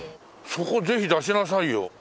そこぜひ出しなさいよ。